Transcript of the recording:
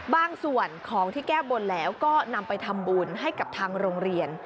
บางส่วนของที่แก้บนแล้วก็นำไปทำบุญให้กับทางโรงเรียน